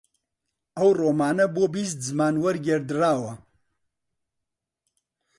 ئەو ڕۆمانە بۆ بیست زمان وەرگێڕدراوە